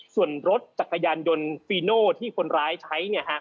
ส่วนรถจักรยานยนต์ฟีโน่ที่คนร้ายใช้